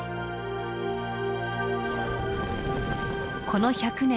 この１００年